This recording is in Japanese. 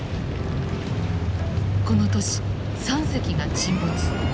この年３隻が沈没。